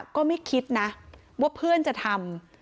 ก็ไม่คิดนะว่าเพื่อนจะทำ